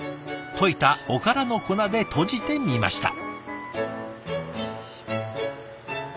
溶いたおからの粉で閉じてみました。